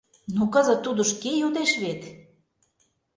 Но кызыт тудо шке йодеш вет?